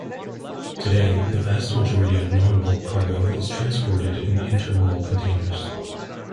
Today, the vast majority of non-bulk cargo is transported in intermodal containers.